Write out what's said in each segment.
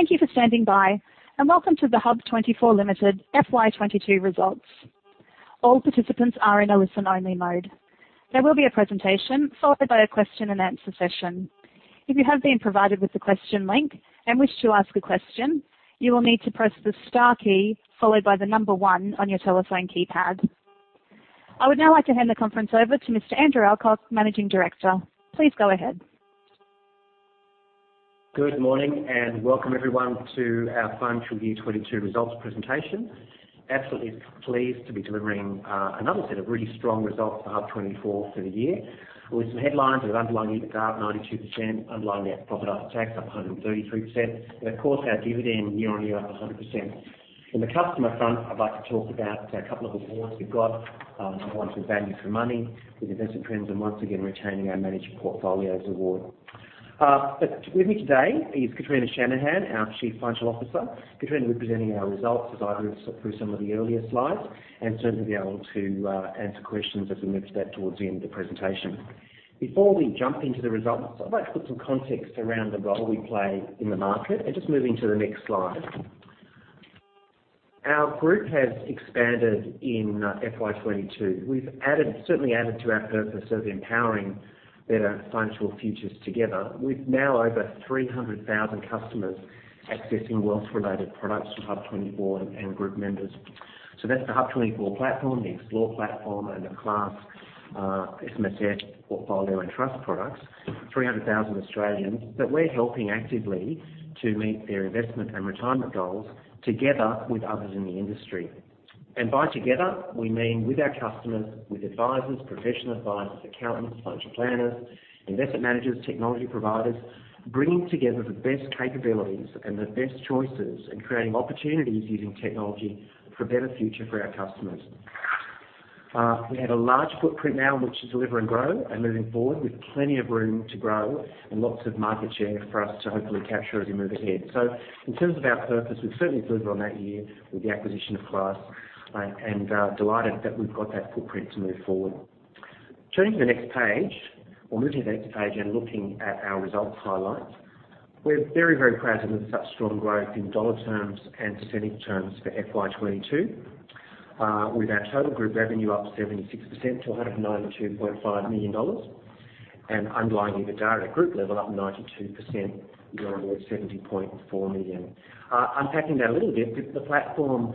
Thank you for standing by, and welcome to the HUB24 Limited FY 2022 results. All participants are in a listen only mode. There will be a presentation followed by a question-and-answer session. If you have been provided with a question link and wish to ask a question, you will need to press the star key followed by the number one on your telephone keypad. I would now like to hand the conference over to Mr. Andrew Alcock, Managing Director. Please go ahead. Good morning, and welcome everyone to our 2022 results presentation. Absolutely pleased to be delivering another set of really strong results for HUB24 for the year. With some headlines of underlying EBITDA up 92%, underlying NPAT up 133%. Of course, our dividend year-on-year up 100%. On the customer front, I'd like to talk about a couple of awards we've got, one for value for money with Investment Trends, and once again retaining our Managing Portfolios award. But with me today is Kitrina Shanahan, our Chief Financial Officer. Kitrina will be presenting our results as I run through some of the earlier slides, and certainly be able to answer questions as we move that towards the end of the presentation. Before we jump into the results, I'd like to put some context around the role we play in the market and just moving to the next slide. Our group has expanded in FY 2022. We've added, certainly added to our purpose of empowering better financial futures together with now over 300,000 customers accessing wealth related products from HUB24 and group members. So that's the HUB24 platform, the Xplore platform and the Class SMSF portfolio and Trust products. 300,000 Australians that we're helping actively to meet their investment and retirement goals together with others in the industry. By together, we mean with our customers, with advisors, professional advisors, accountants, financial planners, investment managers, technology providers. Bringing together the best capabilities and the best choices and creating opportunities using technology for a better future for our customers. We have a large footprint now which is deliver and grow and moving forward with plenty of room to grow and lots of market share for us to hopefully capture as we move ahead. In terms of our purpose, we've certainly delivered on that year with the acquisition of Class, and delighted that we've got that footprint to move forward. Turning to the next page or moving to the next page and looking at our results highlights. We're very, very proud to have such strong growth in dollar terms and percentage terms for FY 2022. With our total group revenue up 76% to 192.5 million dollars. Underlying EBITDA at group level up 92% year-on-year, 70.4 million. Unpacking that a little bit, the platform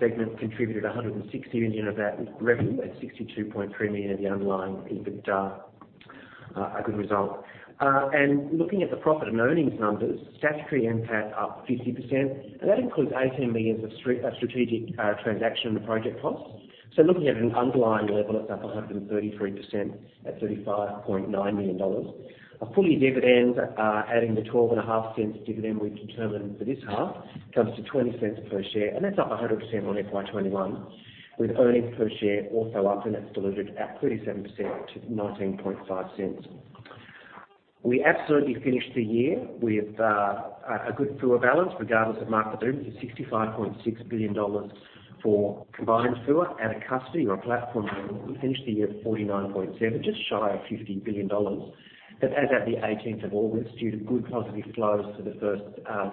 segment contributed 160 million of that revenue at 62.3 million of the underlying EBITDA. A good result. Looking at the profit and earnings numbers, statutory NPAT up 50%, and that includes 18 million of strategic transaction and project costs. Looking at an underlying level, it's up 133% at 35.9 million dollars. A fully franked dividend, adding the 0.125 dividend we've determined for this half comes to 0.20 per share, and that's up 100% on FY 2021. Earnings per share also up, and that's delivered at 37% to 0.195. We absolutely finished the year with a good FUA balance regardless of market movements at AUD 65.6 billion for combined FUA out of custody or platform level. We finished the year at 49.7 billion, just shy of AUD 50 billion. As of August 18th, due to good positive flows for the first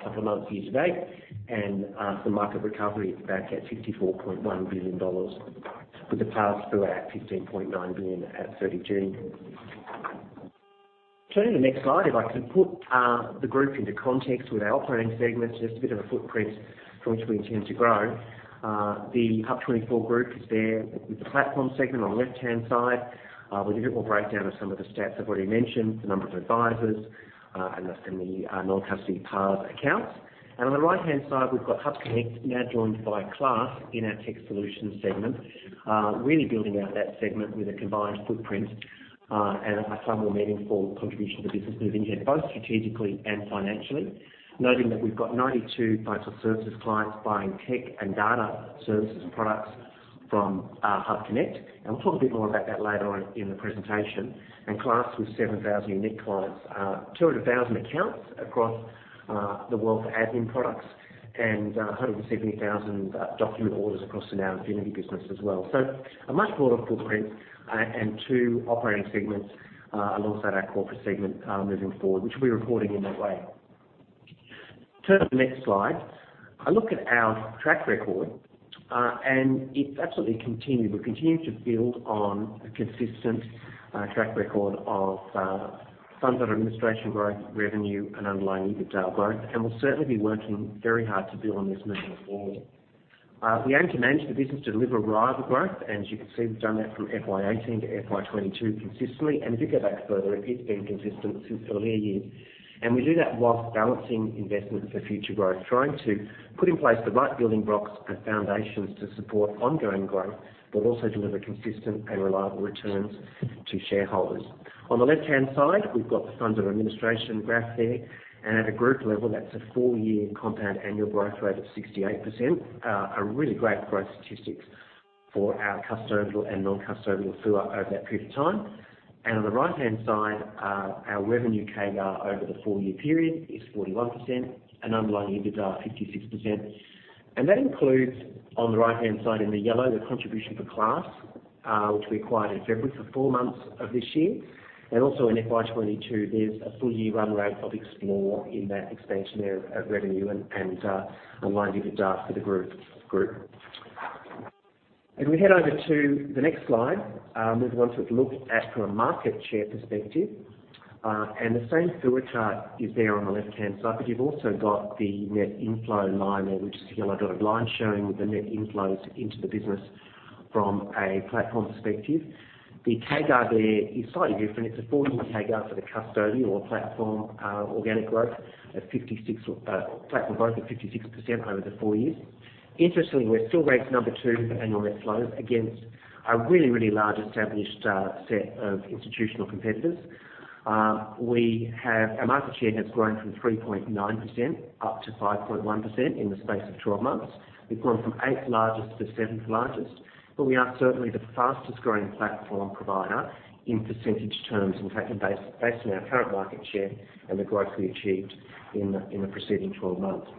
couple of months year to date and some market recovery, it's back at 54.1 billion dollars with the PS FUA at 15.9 billion at June 30. Turning to the next slide, if I can put the group into context with our operating segments, just a bit of a footprint from which we intend to grow. The HUB24 group is there with the platform segment on the left-hand side. With a bit more breakdown of some of the stats I've already mentioned, the number of advisors, and less than the non-custody PARS accounts. On the right-hand side, we've got HUBconnect now joined by Class in our Tech Solutions segment. Really building out that segment with a combined footprint, and a far more meaningful contribution to the business moving ahead, both strategically and financially. Noting that we've got 92 financial services clients buying tech and data services and products from HUBconnect, and we'll talk a bit more about that later on in the presentation. Class with 7,000 unique clients, 200,000 accounts across the wealth admin products and 170,000 document orders across the NowInfinity business as well. A much broader footprint and two operating segments, alongside our corporate segment, moving forward, which we'll be reporting in that way. Turning to the next slide. A look at our track record, and it's absolutely continued. We've continued to build on a consistent track record of funds under administration growth, revenue and underlying EBITDA growth, and we'll certainly be working very hard to build on this moving forward. We aim to manage the business to deliver reliable growth, and as you can see, we've done that from FY 2018 to FY 2022 consistently. If you go back further, it has been consistent since earlier years. We do that while balancing investment for future growth, trying to put in place the right building blocks and foundations to support ongoing growth, but also deliver consistent and reliable returns to shareholders. On the left-hand side, we've got the funds under administration graph there. At a group level, that's a full year compound annual growth rate of 68%. A really great growth statistics for our custodial and non-custodial FUA over that period of time. On the right-hand side, our revenue CAGR over the full year period is 41% and underlying EBITDA 56%. That includes on the right-hand side in the yellow, the contribution for Class, which we acquired in February for four months of this year. Also in FY 2022, there's a full year run rate of Xplore in that expansion area of revenue and aligning the dots for the group. If we head over to the next slide, move on to look at from a market share perspective. The same chart is there on the left-hand side, but you've also got the net inflow line there, which is the yellow dotted line showing the net inflows into the business from a platform perspective. The CAGR there is slightly different. It's a four-year CAGR for the custody or platform growth of 56% over the four years. Interestingly, we're still ranked number two for annual net flows against a really, really large established set of institutional competitors. Our market share has grown from 3.9% up to 5.1% in the space of 12 months. We've grown from eighth largest to seventh largest, but we are certainly the fastest-growing platform provider in percentage terms, in fact based on our current market share and the growth we achieved in the preceding 12 months.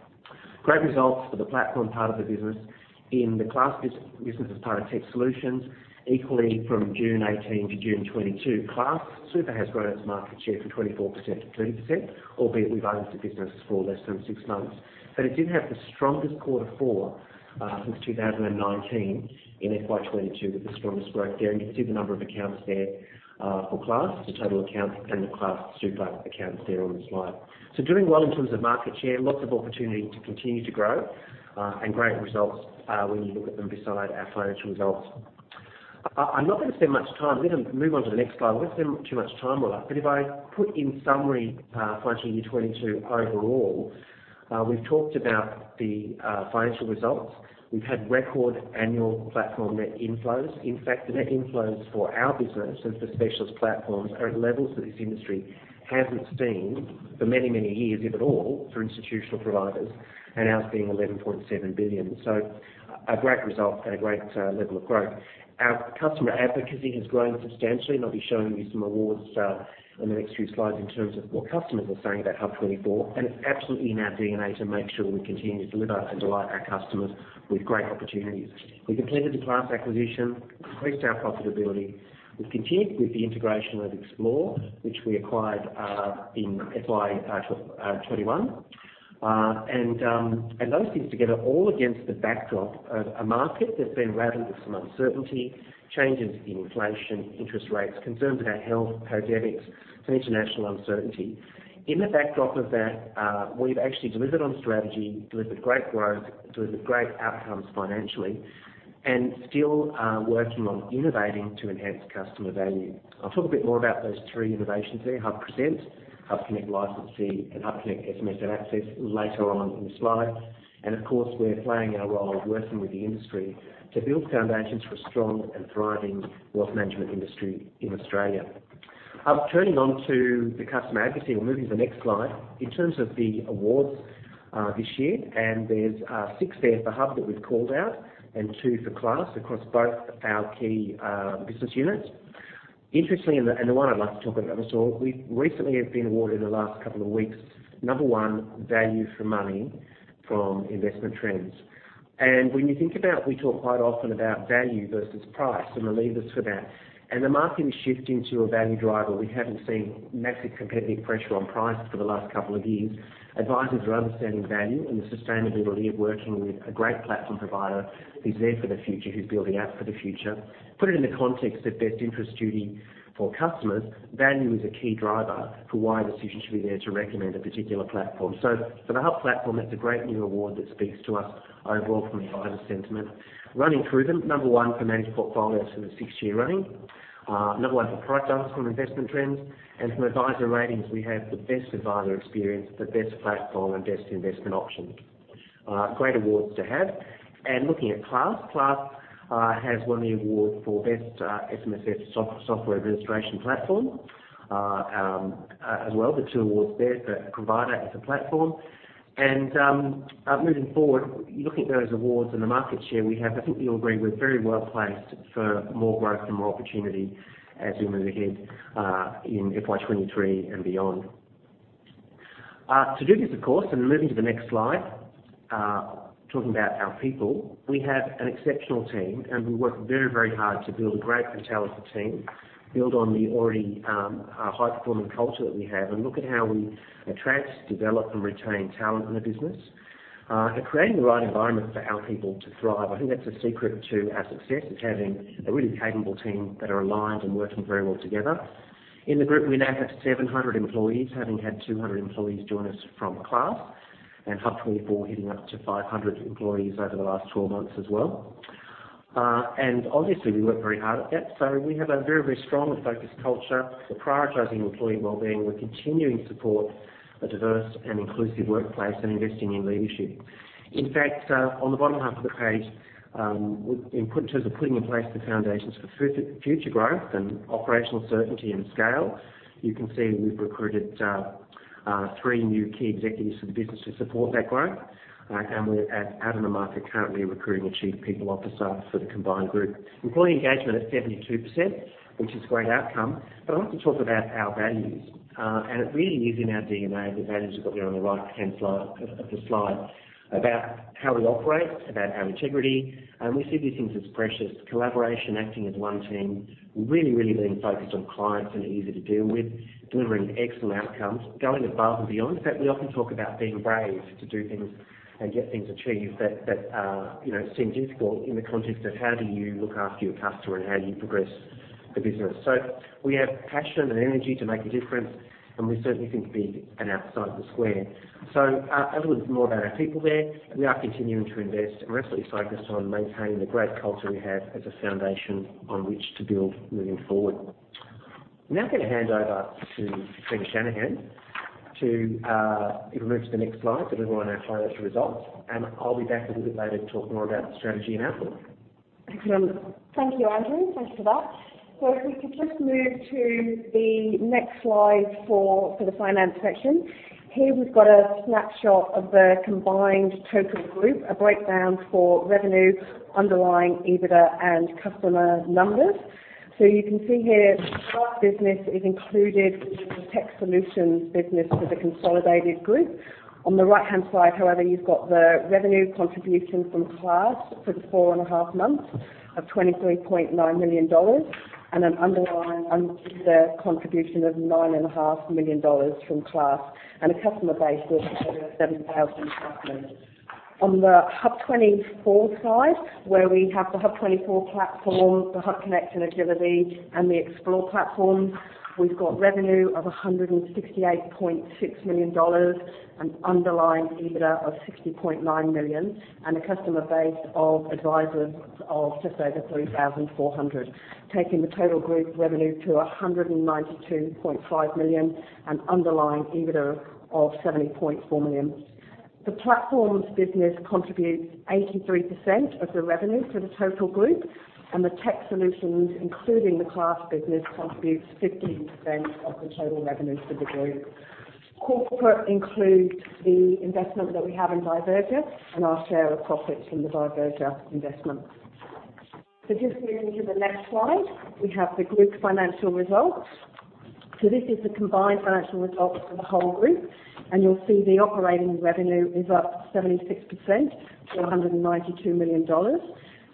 Great results for the platform part of the business. In the Class business as part of Tech Solutions, equally from June 2018 to June 2022, Class Super has grown its market share from 24% to 30%, albeit we've owned the business for less than six months. It did have the strongest quarter four since 2019 in FY 2022, with the strongest growth there. You can see the number of accounts there for Class, the total accounts and the Class Super accounts there on the slide. Doing well in terms of market share, lots of opportunity to continue to grow, and great results, when you look at them beside our financial results. I'm not gonna spend much time. I'm gonna move on to the next slide. I won't spend too much time on that. If I put in summary, financial year 2022 overall, we've talked about the financial results. We've had record annual platform net inflows. In fact, the net inflows for our business as the specialist platforms are at levels that this industry hasn't seen for many, many years, if at all, for institutional providers and ours being 11.7 billion. A great result and a great level of growth. Our customer advocacy has grown substantially, and I'll be showing you some awards in the next few slides in terms of what customers are saying about HUB24, and it's absolutely in our DNA to make sure we continue to deliver and delight our customers with great opportunities. We completed the Class acquisition, increased our profitability. We've continued with the integration of Xplore, which we acquired in FY 2021, and those things together, all against the backdrop of a market that's been rattled with some uncertainty, changes in inflation, interest rates, concerns about health, pandemics, and international uncertainty. In the backdrop of that, we've actually delivered on strategy, delivered great growth, delivered great outcomes financially, and still working on innovating to enhance customer value. I'll talk a bit more about those three innovations there, HUB24 Present, HUBconnect Licensee, and HUB24 SMSF Access later on in the slide. Of course, we're playing our role of working with the industry to build foundations for a strong and thriving wealth management industry in Australia. Turning to the customer advocacy, we're moving to the next slide. In terms of the awards this year, there's six there for Hub that we've called out and two for Class across both our key business units. Interestingly, the one I'd like to talk about most of all, we've recently been awarded in the last couple of weeks number one Value for Money from Investment Trends. When you think about—we talk quite often about value versus price and the levers for that, and the market is shifting to a value driver. We haven't seen massive competitive pressure on price for the last couple of years. Advisers are understanding value and the sustainability of working with a great platform provider who's there for the future, who's building out for the future. Put it in the context of best interests duty for customers. Value is a key driver for why a decision should be there to recommend a particular platform. For the HUB24 platform, that's a great new award that speaks to us overall from adviser sentiment. Running through them, number one for managed portfolios for the sixth year running. Number one for price earnings from Investment Trends. From Adviser Ratings, we have the best adviser experience, the best platform, and best investment options. Great awards to have. Looking at Class. Class has won the award for Best SMSF Software Administration Platform, as well, the two awards there for provider as a platform. Moving forward, you look at those awards and the market share we have, I think you'll agree we're very well-placed for more growth and more opportunity as we move ahead in FY 2023 and beyond. To do this, of course, and moving to the next slide, talking about our people, we have an exceptional team, and we work very, very hard to build a great and talented team, build on the already high-performing culture that we have, and look at how we attract, develop, and retain talent in the business, and creating the right environment for our people to thrive. I think that's a secret to our success, is having a really capable team that are aligned and working very well together. In the group, we now have 700 employees, having had 200 employees join us from Class and HUB24 hitting up to 500 employees over the last 12 months as well. And obviously, we work very hard at that. We have a very, very strong and focused culture. We're prioritizing employee wellbeing. We're continuing to support a diverse and inclusive workplace and investing in leadership. In fact, on the bottom half of the page, in terms of putting in place the foundations for future growth and operational certainty and scale, you can see we've recruited three new key executives for the business to support that growth. We're out in the market currently recruiting a chief people officer for the combined group. Employee engagement at 72%, which is a great outcome. I want to talk about our values. It really is in our DNA, the values that we have on the right-hand side of the slide, about how we operate, about our integrity. We see these things as precious. Collaboration, acting as one team, really, really being focused on clients and easy to deal with, delivering excellent outcomes, going above and beyond. In fact, we often talk about being brave to do things and get things achieved that you know seem difficult in the context of how do you look after your customer and how do you progress the business. We have passion and energy to make a difference, and we certainly think big and outside the square. A little bit more about our people there. We are continuing to invest, and we're absolutely focused on maintaining the great culture we have as a foundation on which to build moving forward. I'm now gonna hand over to Kitrina Shanahan to, if we move to the next slide, so everyone our financial results, and I'll be back a little bit later to talk more about the strategy and outlook. Thank you, Andrew. Thanks for that. If we could just move to the next slide for the finance section. Here we've got a snapshot of the combined total group, a breakdown for revenue, underlying EBITDA and customer numbers. You can see here, the Class business is included in the Tech Solutions business for the consolidated group. On the right-hand side, however, you've got the revenue contribution from Class for the four and a half months of 23.9 million dollars and an underlying EBITDA contribution of 9.5 million dollars from Class and a customer base of over 7,000 customers. On the HUB24 side, where we have the HUB24 platform, the HUBconnect and NowInfinity and the Xplore platform, we've got revenue of 168.6 million dollars, an underlying EBITDA of 60.9 million, and a customer base of advisors of just over 3,400, taking the total group revenue to 192.5 million and underlying EBITDA of 70.4 million. The Platforms business contributes 83% of the revenue for the total group, and the Tech Solutions, including the Class business, contributes 15% of the total revenue for the group. Corporate includes the investment that we have in Diverger and our share of profits from the Diverger investment. Just moving to the next slide, we have the group financial results. This is the combined financial results for the whole group, and you'll see the operating revenue is up 76% to 192 million dollars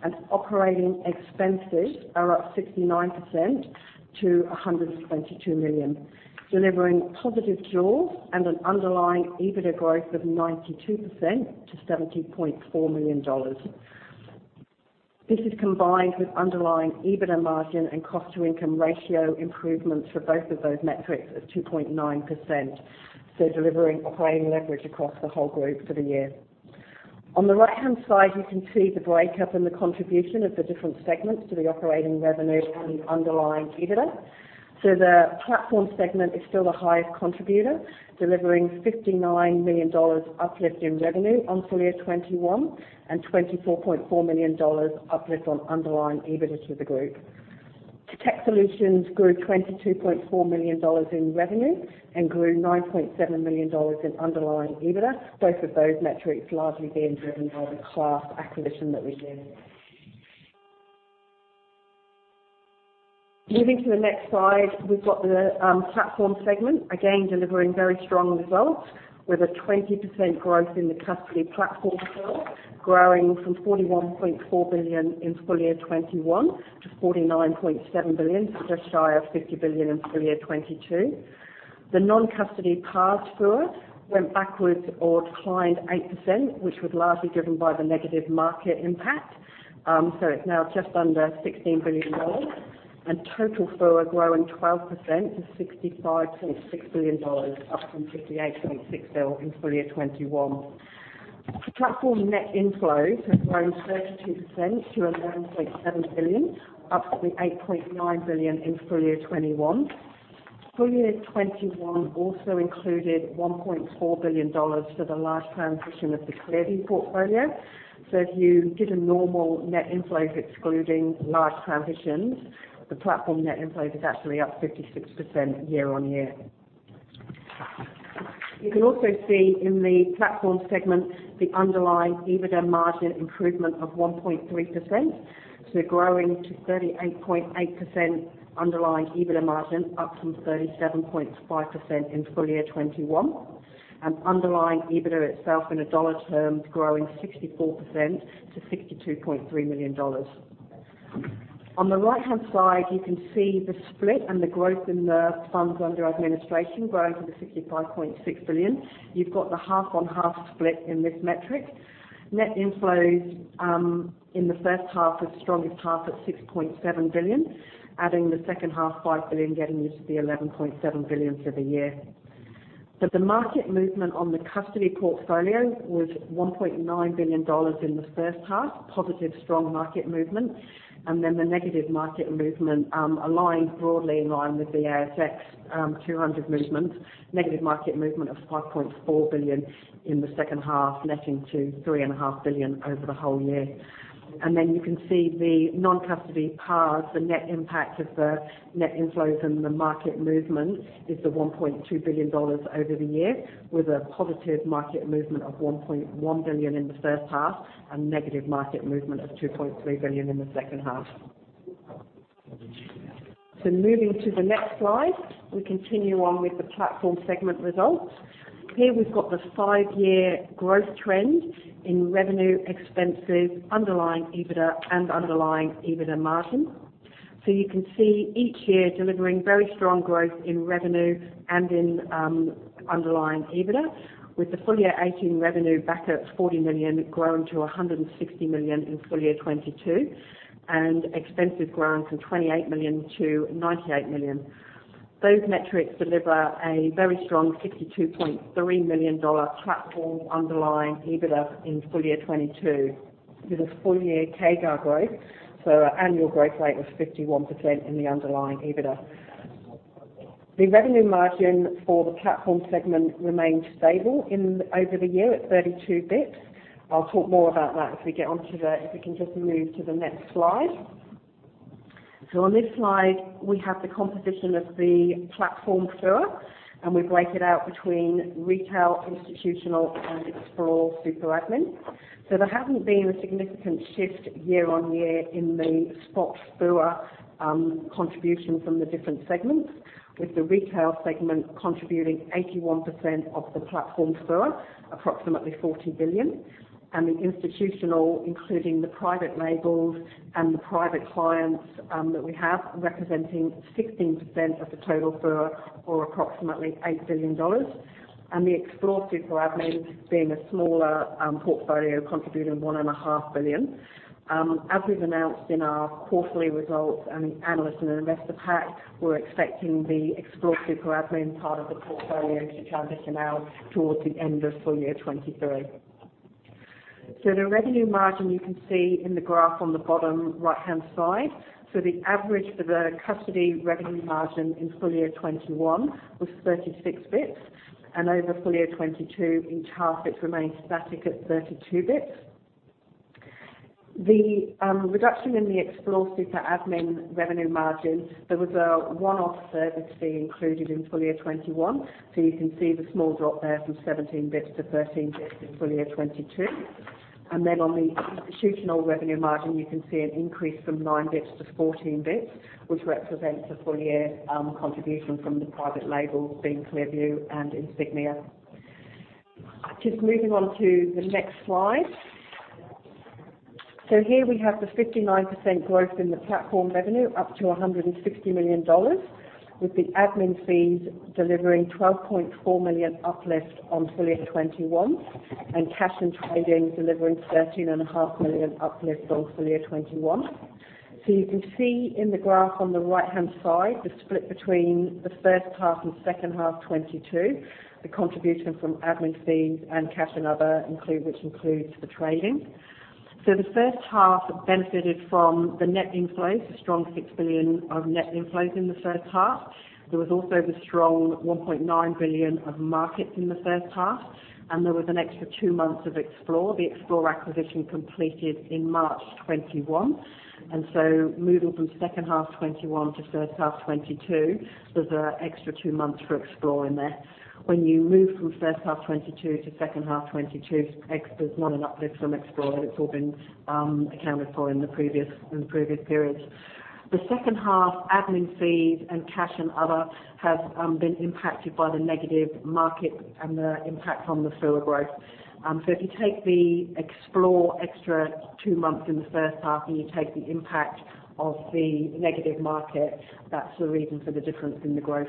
and operating expenses are up 69% to 122 million, delivering positive jaws and an underlying EBITDA growth of 92% to 70.4 million dollars. This is combined with underlying EBITDA margin and cost-to-income ratio improvements for both of those metrics of 2.9%, delivering operating leverage across the whole group for the year. On the right-hand side, you can see the breakdown and the contribution of the different segments to the operating revenue and the underlying EBITDA. The Platform segment is still the highest contributor, delivering 59 million dollars uplift in revenue on full year 2021, and 24.4 million dollars uplift on underlying EBITDA to the group. Tech Solutions grew 22.4 million dollars in revenue and grew 9.7 million dollars in underlying EBITDA. Both of those metrics largely being driven by the Class acquisition that we did. Moving to the next slide, we've got the Platform segment, again, delivering very strong results with a 20% growth in the custody platform FUA growing from 41.4 billion in full year 2021 to 49.7 billion, just shy of 50 billion in full year 2022. The non-custody PARS FUA went backwards or declined 8%, which was largely driven by the negative market impact. So it's now just under AUD 16 billion and total FUA growing 12% to AUD 65.6 billion, up from AUD 58.6 billion in full year 2021. Platform net inflows have grown 32% to AUD 11.7 billion, up from the AUD 8.9 billion in full year 2021. Full year 2021 also included AUD 1.4 billion for the large transition of the ClearView portfolio. If you did a normal net inflows excluding large transitions, the platform net inflows is actually up 56% year-on-year. You can also see in the Platform segment the underlying EBITDA margin improvement of 1.3%. Growing to 38.8% underlying EBITDA margin up from 37.5% in full year 2021. Underlying EBITDA itself in a dollar terms growing 64% to 62.3 million dollars. On the right-hand side, you can see the split and the growth in the funds under administration growing to the 65.6 billion. You've got the half on half split in this metric. Net inflows in the first half, the strongest half at 6.7 billion, adding the second half 5 billion, getting you to the 11.7 billion for the year. The market movement on the custody portfolio was 1.9 billion dollars in the first half, positive, strong market movement. The negative market movement, aligned broadly in line with the ASX 200 movement, negative market movement of 5.4 billion in the second half, netting to 3.5 billion over the whole year. You can see the non-custody PARS. The net impact of the net inflows and the market movement is 1.2 billion dollars over the year, with a positive market movement of 1.1 billion in the first half and negative market movement of 2.3 billion in the second half. Moving to the next slide, we continue on with the platform segment results. Here we've got the five-year growth trend in revenue, expenses, underlying EBITDA and underlying EBITDA margin. You can see each year delivering very strong growth in revenue and in underlying EBITDA with the full year 2018 revenue back at 40 million growing to 160 million in full year 2022, and expenses growing from 28 million to 98 million. Those metrics deliver a very strong 62.3 million dollar platform underlying EBITDA in full year 2022, with a full year CAGR growth. Annual growth rate was 51% in the underlying EBITDA. The revenue margin for the platform segment remained stable over the year at 32 bps. I'll talk more about that as we get onto it. If we can just move to the next slide. On this slide, we have the composition of the platform FUA, and we break it out between retail, institutional, and Xplore Super admin. There hasn't been a significant shift year-on-year in the spot FUA contribution from the different segments, with the retail segment contributing 81% of the platform FUA, approximately 40 billion. The institutional, including the private labels and the private clients that we have representing 16% of the total FUA or approximately 8 billion dollars. The Xplore super admin being a smaller portfolio contributing 1.5 billion. As we've announced in our quarterly results and the analyst and investor pack, we're expecting the Xplore uper admin part of the portfolio to transition out towards the end of full year 2023. The revenue margin you can see in the graph on the bottom right-hand side. The average for the custody revenue margin in full year 2021 was 36 basis points, and over full year 2022, [1H] it remained static at 32 basis points. The reduction in the Xplore Super admin revenue margin, there was a one-off service fee included in full year 2021. You can see the small drop there from 17 basis points to 13 basis points in full year 2022. On the institutional revenue margin, you can see an increase from 9 basis points to 14 basis points, which represents a full year contribution from the private labels being ClearView and Insignia. Just moving on to the next slide. Here we have the 59% growth in the platform revenue up to 160 million dollars, with the admin fees delivering 12.4 million uplift on full year 2021, and cash and trading delivering 13.5 million uplift on full year 2021. You can see in the graph on the right-hand side, the split between the first half and second half 2022, the contribution from admin fees and cash and other income, which includes the trading. The first half benefited from the net inflows, a strong 6 billion of net inflows in the first half. There was also the strong 1.9 billion of markets in the first half, and there was an extra two months of Xplore. The Xplore acquisition completed in March 2021. Move from second half 2021 to first half 2022, there's an extra two months for Xplore in there. When you move from first half 2022 to second half 2022, there's not an uplift from Xplore. It's all been accounted for in the previous periods. The second half admin fees and cash and other have been impacted by the negative market and the impact on the FUA growth. If you take the Xplore extra two months in the first half and you take the impact of the negative market, that's the reason for the difference in the growth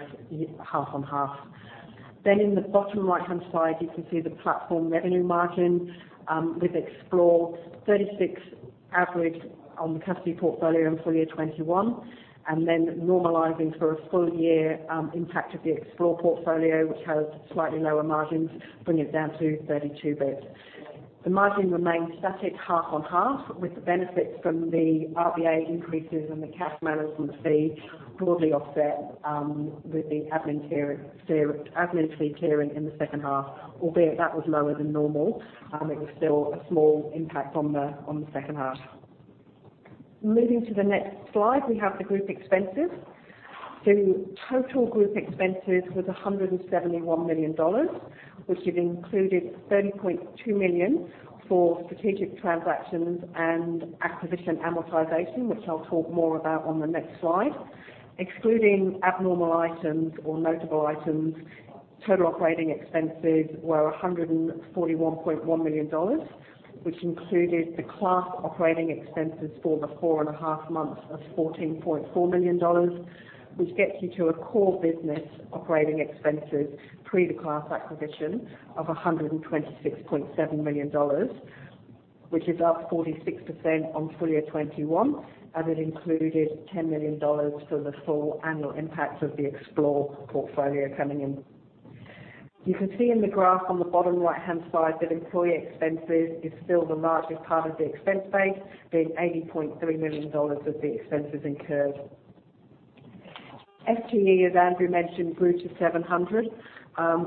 half on half. In the bottom right-hand side, you can see the platform revenue margin, with Xplore 36 average on the custody portfolio in full year 2021, and then normalizing for a full year impact of the Xplore portfolio, which has slightly lower margins, bringing it down to 32 basis points. The margin remained static half on half, with the benefits from the RBA increases and the cash management fee broadly offset with the admin fee clearing in the second half. Albeit that was lower than normal, it was still a small impact on the second half. Moving to the next slide, we have the group expenses. Total group expenses was 171 million dollars, which have included 30.2 million for strategic transactions and acquisition amortization, which I'll talk more about on the next slide. Excluding abnormal items or notable items, total operating expenses were 141.1 million dollars, which included the Class operating expenses for the four and a half months of 14.4 million dollars, which gets you to a core business operating expenses pre the Class acquisition of 126.7 million dollars, which is up 46% on full year 2021, as it included 10 million dollars for the full annual impact of the Xplore portfolio coming in. You can see in the graph on the bottom right-hand side that employee expenses is still the largest part of the expense base, being 80.3 million dollars of the expenses incurred. FTE, as Andrew mentioned, grew to 700,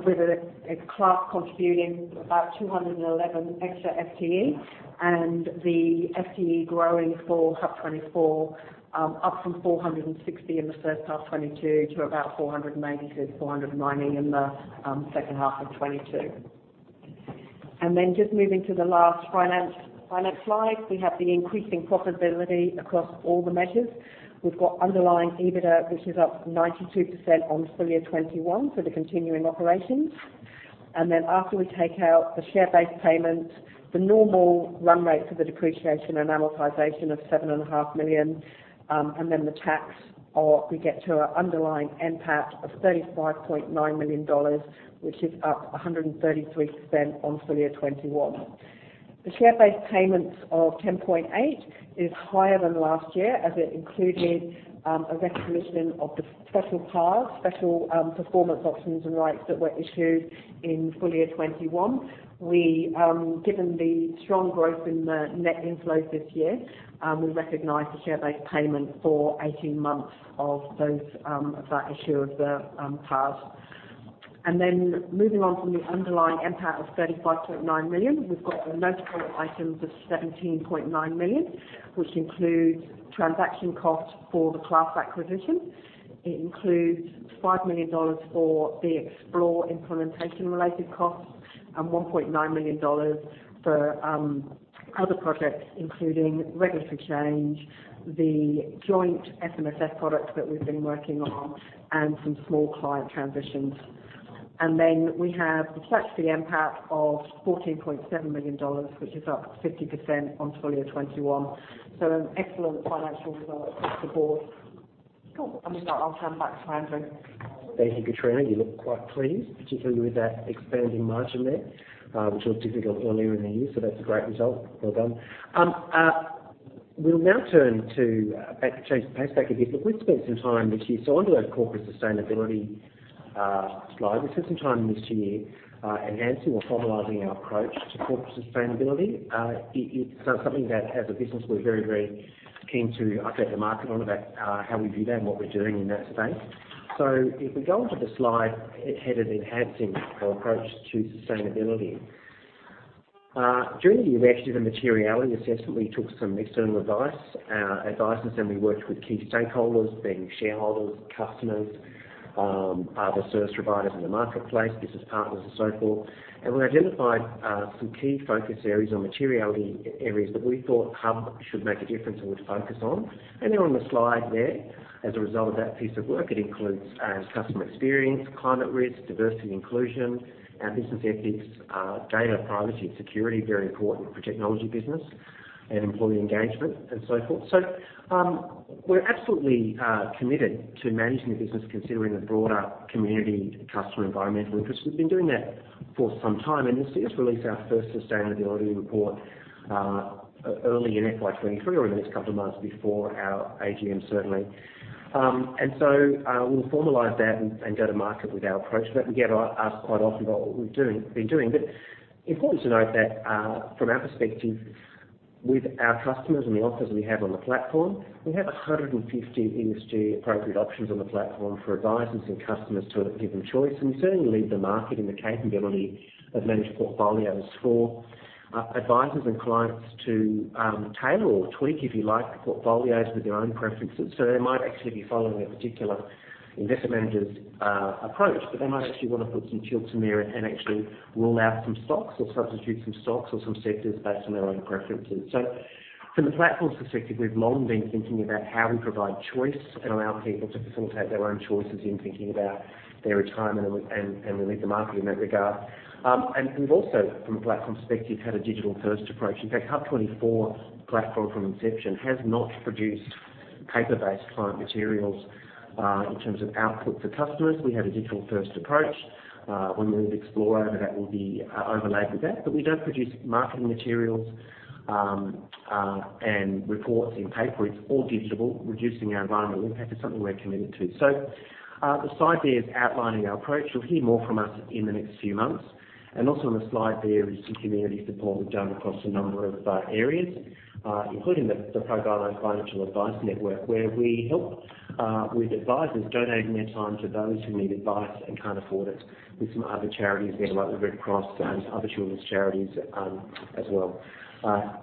with Class contributing about 211 extra FTE and the FTE growing for half 2024, up from 460 in the first half 2022 to about 490 in the second half of 2022. Just moving to the last finance slide. We have the increasing profitability across all the measures. We've got underlying EBITDA, which is up 92% on full year 2021 for the continuing operations. After we take out the share-based payment, the normal run rate for the depreciation and amortization of 7.5 million, and then the tax, we get to our underlying NPAT of 35.9 million dollars, which is up 133% on full year 2021. The share-based payments of 10.8 million is higher than last year as it included a recognition of the special PARS performance options and rights that were issued in full year 2021. Given the strong growth in the net inflows this year, we recognized a share-based payment for 18 months of those, of that issue of the PARS. Moving on from the underlying NPAT of 35.9 million, we've got the notable items of 17.9 million, which includes transaction costs for the Class acquisition. It includes 5 million dollars for the Xplore implementation related costs and 1.9 million dollars for other projects, including regulatory change, the joint SMSF products that we've been working on and some small client transitions. We have the tax-free NPAT of 14.7 million dollars, which is up 50% on full year 2021. An excellent financial result across the board. Cool. With that, I'll turn back to Andrew. Thank you, Kitrina. You look quite pleased, particularly with that expanding margin there, which was difficult earlier in the year. That's a great result. Well done. We'll now turn back to change the pace a bit. Look, we've spent some time this year. Onto our corporate sustainability slide. We spent some time this year enhancing or formalizing our approach to corporate sustainability. It is something that as a business, we're very, very keen to update the market on about how we view that and what we're doing in that space. If we go onto the slide, it's headed enhancing our approach to sustainability. During the year, we actually did a materiality assessment. We took some external advice, advisors, and we worked with key stakeholders, being shareholders, customers, other service providers in the marketplace, business partners and so forth. We identified some key focus areas or materiality areas that we thought HUB24 should make a difference and would focus on. They're on the slide there as a result of that piece of work. It includes customer experience, climate risk, diversity and inclusion, our business ethics, data privacy and security, very important for technology business, and employee engagement and so forth. We're absolutely committed to managing the business considering the broader community customer environmental interests. We've been doing that for some time, and you'll see us release our first sustainability report early in FY 2023 or in the next couple of months before our AGM, certainly. We'll formalize that and go to market with our approach. We get asked quite often about what we're doing, been doing. Important to note that, from our perspective with our customers and the offers we have on the platform, we have 150 industry appropriate options on the platform for advisors and customers to give them choice. We certainly lead the market in the capability of managed portfolios for advisors and clients to tailor or tweak, if you like, portfolios with their own preferences. They might actually be following a particular investment manager's approach, but they might actually wanna put some tilts in there and actually rule out some stocks or substitute some stocks or some sectors based on their own preferences. From the platform perspective, we've long been thinking about how we provide choice and allow people to facilitate their own choices in thinking about their retirement, and we lead the market in that regard. We've also, from a platform perspective, had a digital-first approach. In fact, HUB24 platform from inception has not produced paper-based client materials, in terms of output for customers. We have a digital-first approach. When we move Xplore over, that will be overlaid with that. But we don't produce marketing materials, and reports in paper. It's all digital. Reducing our environmental impact is something we're committed to. The slide there is outlining our approach. You'll hear more from us in the next few months. Also on the slide, there is some community support we've done across a number of areas, including the Pro Bono Financial Advice Network, where we help with advisors donating their time to those who need advice and can't afford it with some other charities there, like the Red Cross and other children's charities, as well.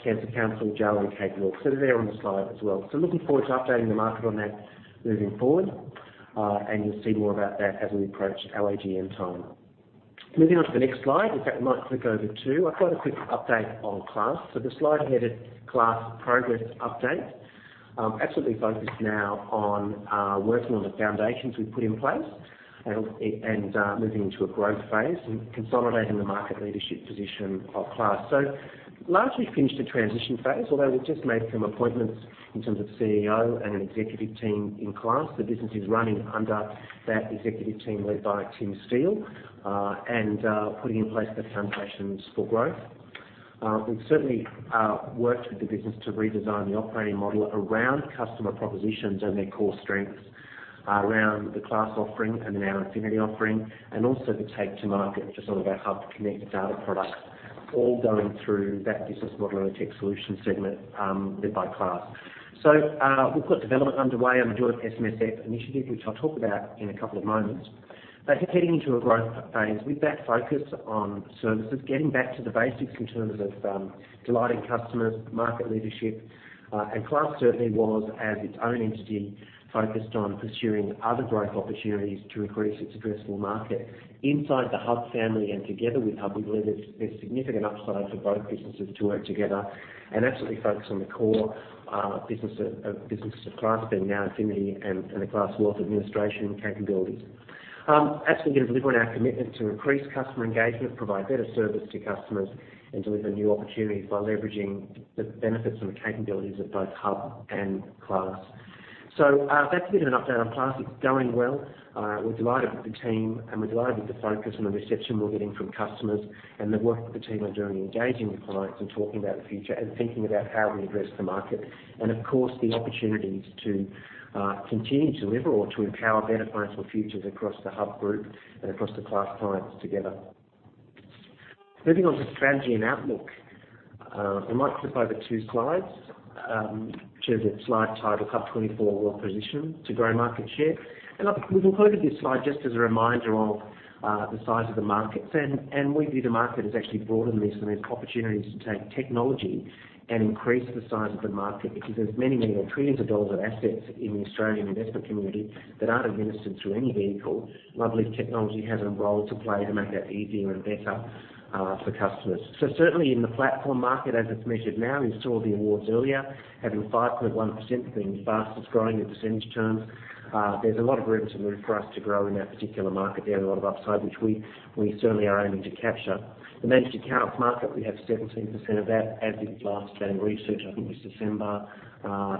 Cancer Council, Jeans for Genes. They're there on the slide as well. Looking forward to updating the market on that moving forward, and you'll see more about that as we approach our AGM time. Moving on to the next slide. In fact, we might click over two. I've got a quick update on Class. The slide headed Class progress update, absolutely focused now on working on the foundations we've put in place and moving into a growth phase and consolidating the market leadership position of Class. Largely finished the transition phase, although we've just made some appointments in terms of CEO and an executive team in Class. The business is running under that executive team led by Tim Steele and putting in place the foundations for growth. We've certainly worked with the business to redesign the operating model around customer propositions and their core strengths around the Class offering and now Affinity offering and also the go-to-market, which is all about HUBconnect data products, all going through that business model in a Tech Solution segment led by Class. We've got development underway on the joint SMSF initiative, which I'll talk about in a couple of moments. Heading into a growth phase with that focus on services, getting back to the basics in terms of delighting customers, market leadership, and Class certainly was, as its own entity, focused on pursuing other growth opportunities to increase its addressable market. Inside the Hub family and together with Hub, we believe there's significant upside for both businesses to work together and absolutely focus on the core business of businesses of Class being now Affinity and the Class Wealth administration capabilities. Absolutely going to deliver on our commitment to increase customer engagement, provide better service to customers, and deliver new opportunities by leveraging the benefits and capabilities of both Hub and Class. That's a bit of an update on Class. It's going well. We're delighted with the team, and we're delighted with the focus and the reception we're getting from customers and the work that the team are doing, engaging with clients and talking about the future and thinking about how we address the market and of course, the opportunities to continue to deliver or to empower better financial futures across the HUB24 group and across the Class clients together. Moving on to strategy and outlook, we might flip over two slides, which is a slide titled HUB24 well positioned to grow market share. We've included this slide just as a reminder of the size of the markets and we view the market has actually broadened this and there's opportunities to take technology and increase the size of the market because there's many more trillions of AUD of assets in the Australian investment community that aren't administered through any vehicle. I believe technology has a role to play to make that easier and better for customers. Certainly in the platform market as it's measured now, you saw the awards earlier, having 5.1% being the fastest growing in percentage terms. There's a lot of room to move for us to grow in that particular market. There's a lot of upside, which we certainly are aiming to capture. The managed accounts market, we have 17% of that as of last Rainmaker research, I think it was December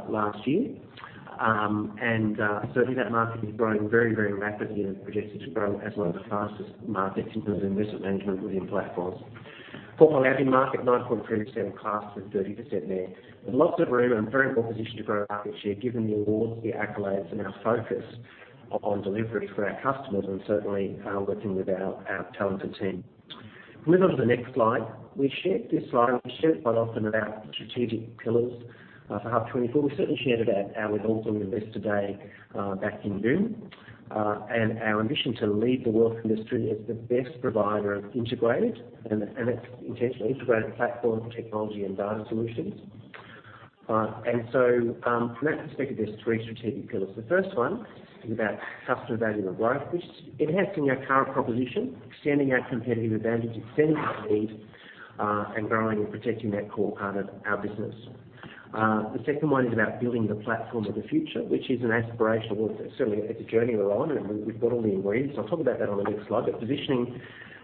last year. Certainly that market is growing very, very rapidly and projected to grow as one of the fastest markets in terms of investment management within platforms. Portfolio lending market, 9.3%, Class has 30% there. There's lots of room and very well-positioned to grow our market share, given the awards, the accolades, and our focus on delivery for our customers and certainly working with our talented team. Moving on to the next slide. We shared this slide, and we share it quite often about strategic pillars for HUB24. We certainly shared it at our results on Investor Day back in June. Our ambition to lead the wealth industry as the best provider of integrated platform technology and data solutions, and that's intentional. From that perspective, there are three strategic pillars. The first one is about customer value and growth, which enhancing our current proposition, extending our competitive advantage, extending our lead, and growing and protecting that core part of our business. The second one is about building the platform of the future, which is an aspirational. Certainly, it's a journey we're on, and we've got all the ingredients. I'll talk about that on the next slide. Positioning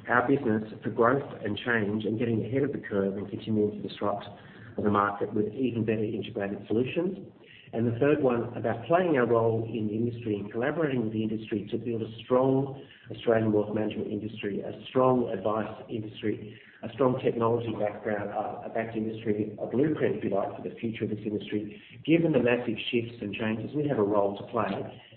our business for growth and change and getting ahead of the curve and continuing to disrupt the market with even better integrated solutions. The third one, about playing our role in the industry and collaborating with the industry to build a strong Australian wealth management industry, a strong advice industry, a strong technology-backed industry, a blueprint, if you like, for the future of this industry. Given the massive shifts and changes, we have a role to play,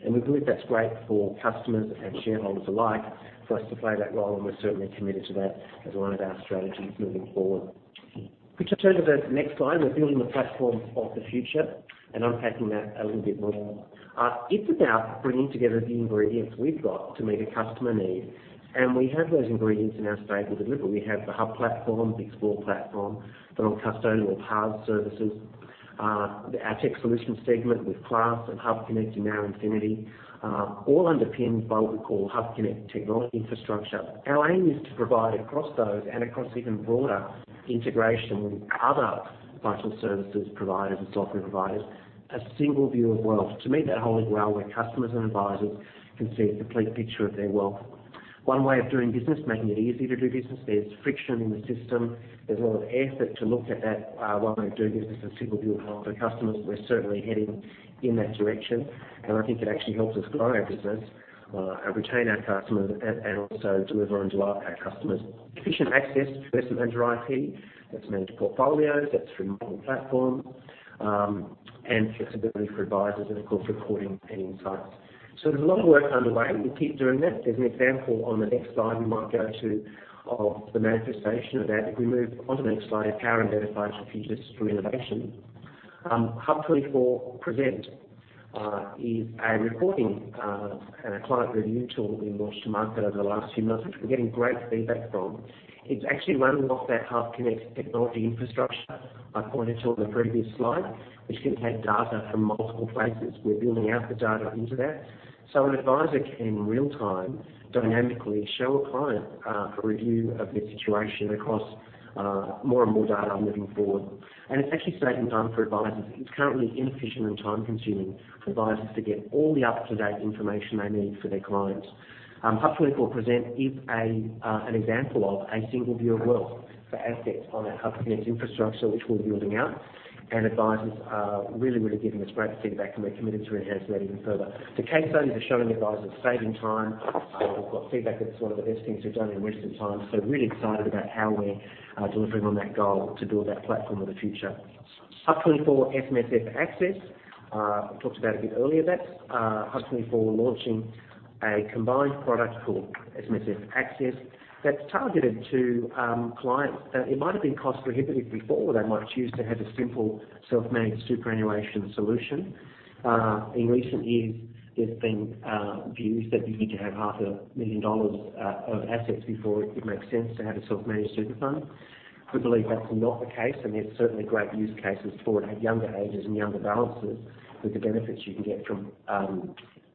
and we believe that's great for customers and shareholders alike, for us to play that role, and we're certainly committed to that as one of our strategies moving forward. If we turn to the next slide, we're building the platform of the future, and unpacking that a little bit more. It's about bringing together the ingredients we've got to meet a customer need, and we have those ingredients in our stable to deliver. We have the HUB24 platform, the Xplore platform, non-custodial PaaS services, our tech solution segment with Class and HUBconnect and NowInfinity, all underpinned by what we call HUBconnect technology infrastructure. Our aim is to provide across those and across even broader integration with other financial services providers and software providers, a single view of wealth to meet that holy grail where customers and advisors can see a complete picture of their wealth. One way of doing business, making it easy to do business. There's friction in the system. There's a lot of effort to look at that, one way of doing business, a single view of wealth for customers. We're certainly heading in that direction, and I think it actually helps us grow our business, retain our customers and also deliver and delight our customers. Efficient access to investment under IP. That's managed portfolios. That's through multiple platforms. Flexibility for advisers and of course, reporting and insights. There's a lot of work underway, and we'll keep doing that. There's an example on the next slide we might go to of the manifestation of that. If we move onto the next slide, Powering Adviser Futures Through Innovation. HUB24 Present is a reporting and a client review tool we launched to market over the last few months, which we're getting great feedback from. It's actually running off that HUBconnect technology infrastructure I pointed to on the previous slide, which can take data from multiple places. We're building out the data into that. An adviser can in real time dynamically show a client a review of their situation across more and more data moving forward. It's actually saving time for advisers. It's currently inefficient and time-consuming for advisors to get all the up-to-date information they need for their clients. HUB24 Present is an example of a single view of wealth for assets on our HUBconnect infrastructure, which we're building out. Advisors are really giving us great feedback, and we're committed to enhance that even further. The case studies are showing advisors saving time. We've got feedback that's one of the best things we've done in recent times, really excited about how we're delivering on that goal to build that platform of the future. HUB24 SMSF Access, I talked about a bit earlier that HUB24 launching a combined product called SMSF Access that's targeted to clients that it might have been cost prohibitive before they might choose to have a simple self-managed superannuation solution. In recent years, there's been views that you need to have half a million AUD of assets before it would make sense to have a self-managed super fund. We believe that's not the case, and there's certainly great use cases for it at younger ages and younger balances with the benefits you can get from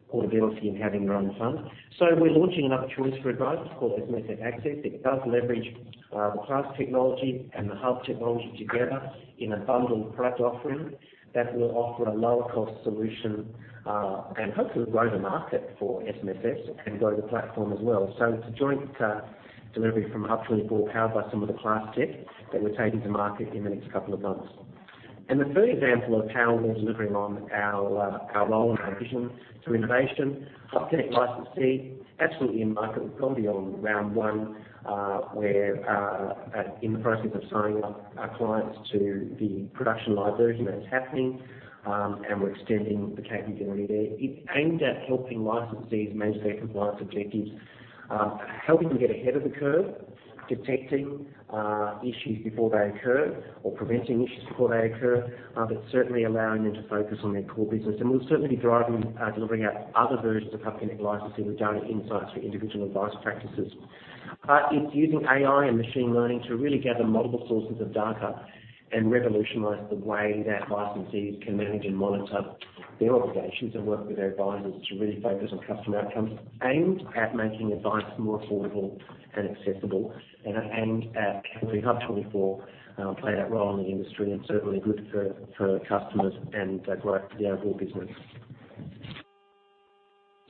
portability and having your own fund. We're launching another choice for advisors called SMSF Access. It does leverage the Class technology and the Hub technology together in a bundled product offering that will offer a lower cost solution, and hopefully grow the market for SMSF and grow the platform as well. It's a joint delivery from HUB24, powered by some of the Class tech that we're taking to market in the next couple of months. The third example of how we're delivering on our role and our vision through innovation, HUBconnect Licensee, absolutely in market. We've gone beyond round one, we're in the process of signing up our clients to the production live version. That's happening, we're extending the capability there. It's aimed at helping licensees manage their compliance objectives, helping them get ahead of the curve, detecting issues before they occur or preventing issues before they occur. Certainly allowing them to focus on their core business. We'll certainly be driving delivery of other versions of HUBconnect Licensee with data insights for individual advice practices. It's using AI and machine learning to really gather multiple sources of data and revolutionize the way that licensees can manage and monitor their obligations and work with their advisors to really focus on customer outcomes aimed at making advice more affordable and accessible. Can HUB24 play that role in the industry and certainly good for customers and growth for the overall business.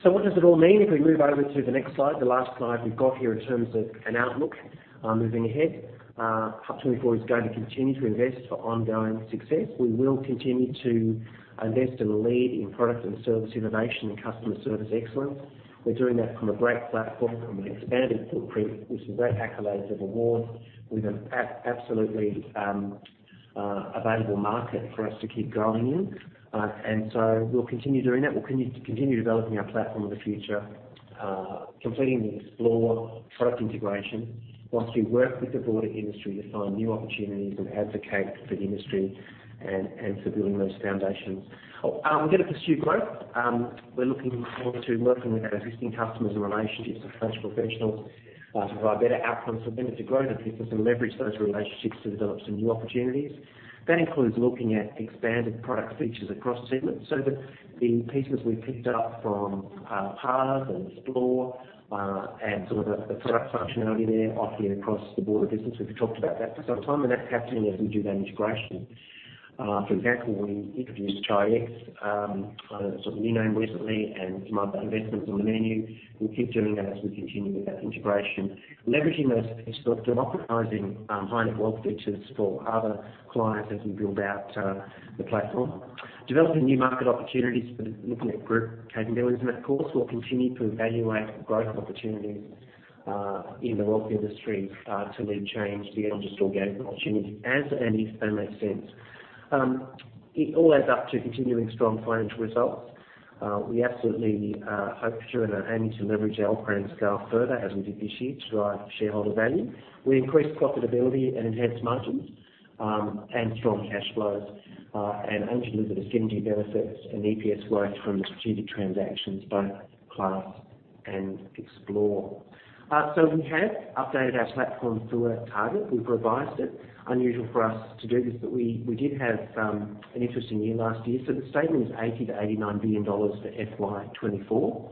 What does it all mean? If we move over to the next slide, the last slide we've got here in terms of an outlook, moving ahead. HUB24 is going to continue to invest for ongoing success. We will continue to invest and lead in product and service innovation and customer service excellence. We're doing that from a great platform, from an expanded footprint with some great accolades of awards, with an absolutely available market for us to keep growing in. We'll continue doing that. We'll continue developing our platform of the future, completing the Xplore product integration. Want to work with the broader industry to find new opportunities and advocate for the industry and for building those foundations. We're gonna pursue growth. We're looking forward to working with our existing customers and relationships with financial professionals, to provide better outcomes for them and to grow the business and leverage those relationships to develop some new opportunities. That includes looking at expanded product features across segments so that the pieces we've picked up from Paragem and Xplore, and sort of the product functionality there, offer across the broader business. We've talked about that for some time, and that's happening as we do that integration. For example, we introduced Chi-X, a sort of new name recently and some other investments on the menu. We'll keep doing that as we continue with that integration. Leveraging those and sort of democratizing high-net-worth features for other clients as we build out the platform. Developing new market opportunities looking at group capabilities in that course. We'll continue to evaluate growth opportunities in the wealth industry to lead change beyond just organic opportunity as and if they make sense. It all adds up to continuing strong financial results. We absolutely hope to and are aiming to leverage our brand scale further, as we did this year, to drive shareholder value. We increased profitability and enhanced margins, and strong cash flows, and aim to deliver the synergy benefits and EPS growth from the strategic transactions, both Class and Xplore. We have updated our platform FUA target. We've revised it. Unusual for us to do this, but we did have an interesting year last year. The statement is 80 billion-89 billion dollars for FY 2024.